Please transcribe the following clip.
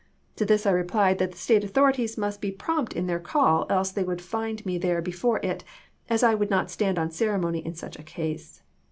To this I replied that the State authorities must .McClellan be prompt in their call else they would find me there be Scottf June ^^^^ it, as I would not stand on ceremony in such a case.